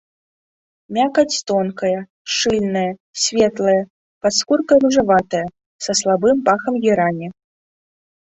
Мякаць тонкая, шчыльная, светлая, пад скуркай ружаватая, са слабым пахам герані.